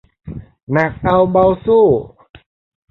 หนักเอาเบาสู้